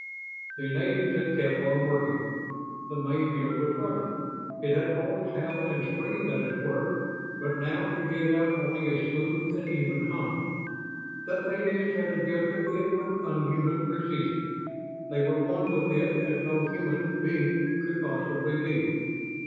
The natives had kept on working. The Mayfield was running. It had always howled and screamed at its work, but now it gave out only a smooth and even hum. The aliens had adjusted it with unhuman precision; they were one with it as no human being could possibly be.